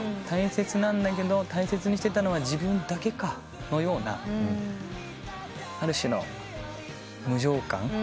大切なんだけど大切にしてたのは自分だけかのようなある種の無常感。